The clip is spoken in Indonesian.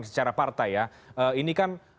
secara partai ya ini kan